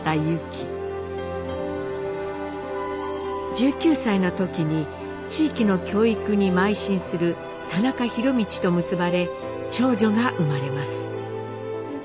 １９歳の時に地域の教育にまい進する田中博通と結ばれ長女が生まれます。